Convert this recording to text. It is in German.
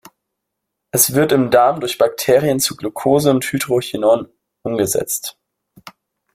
Es wird im Darm durch Bakterien zu Glucose und Hydrochinon umgesetzt.